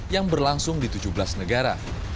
yang berlangsung di tujuh belas negara